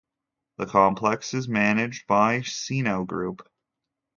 The complex is managed by Sino Group.